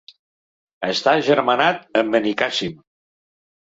Està agermanat amb Benicàssim.